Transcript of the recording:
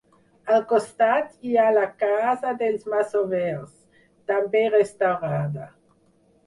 Al costat hi ha la casa dels masovers, també restaurada.